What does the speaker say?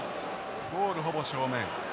ゴールほぼ正面。